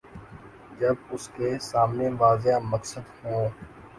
جب اس کے سامنے واضح مقاصد ہوں۔